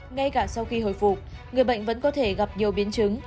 ngay cả sau khi hồi phục người bệnh vẫn có thể gặp nhiều biến chứng